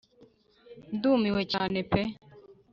ndumiwe cyane pe